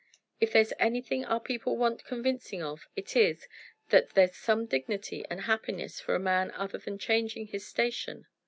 If there's anything our people want convincing of, it is, that there's some dignity and happiness for a man other than changing his station.